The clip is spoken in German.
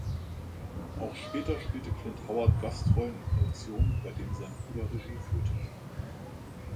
Auch später spielte Clint Howard Gastrollen in Produktionen, bei denen sein Bruder Regie führte.